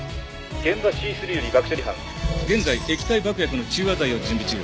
「現場Ｃ３より爆処理班」現在液体爆薬の中和剤を準備中。